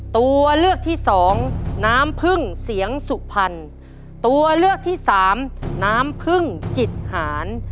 ตัวเลือกที่สองน้ำพึ่งเสียงสุพรรณตัวเลือกที่สามน้ำพึ่งจิตหาร